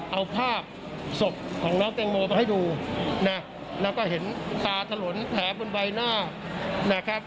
เอาภาพศพของน้องแตงโมไปให้ดูนะแล้วก็เห็นตาถลนแผลบนใบหน้านะครับ